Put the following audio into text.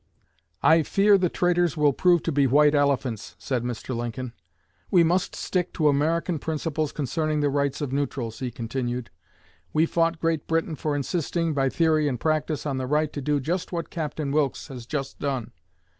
'I fear the traitors will prove to be white elephants,' said Mr. Lincoln. 'We must stick to American principles concerning the rights of neutrals,' he continued. 'We fought Great Britain for insisting, by theory and practise, on the right to do just what Captain Wilkes has just done.